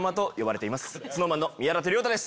ＳｎｏｗＭａｎの宮舘涼太です